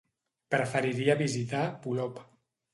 Preferiria visitar Polop.